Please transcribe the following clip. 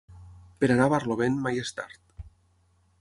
Per anar a barlovent, mai és tard.